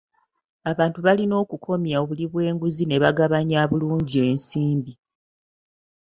Abantu balina okukomya obuli bw'enguzi ne bagabanya bulungi ensimbi.